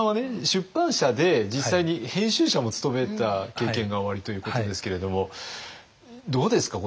出版社で実際に編集者も務めた経験がおありということですけれどもどうですか？